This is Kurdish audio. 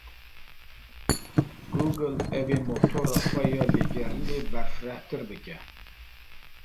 Google ew ê motora xwe ya lêgerînê berfirehtir bike.